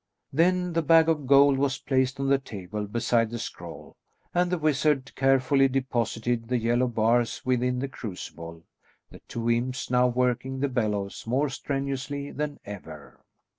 Then the bag of gold was placed on the table beside the scroll, and the wizard carefully deposited the yellow bars within the crucible, the two imps now working the bellows more strenuously than ever.